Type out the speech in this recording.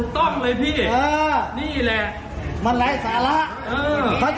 ต้องเลยพี่เออนี่แหละมันไหลสาระเค้าจะเอามาหาแต่งครึ่งท่อน